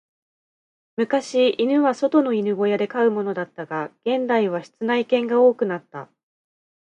昔、犬は外の犬小屋で飼うものだったが、現代は室内犬が多くなった。